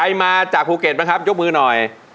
ใครมาจากภูเก็ตมั้ยครับยกมือหน่อย